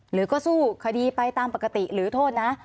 หรือก็สู้คดีไปตามปกติหรือโทษนะ